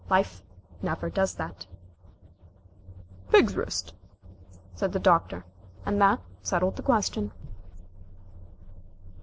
Life never does that." "Pig's wrist," said the Doctor, and that settled the question.